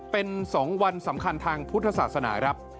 เป็น๒วันสำคัญทางพุทธศาสนาครับ